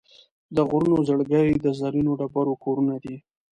د غرونو زړګي د زرینو ډبرو کورونه دي.